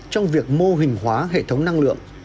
trong việc mô hình hóa hệ thống năng lượng